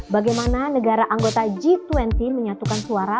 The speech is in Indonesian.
bagaimana negara anggota g dua puluh menyatukan suara